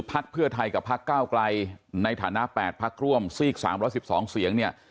พักเพื่อไทยกับพักก้าวกลายในฐานะแปดพักร่วมซีกสามร้อยสิบสองเสียงเนี่ย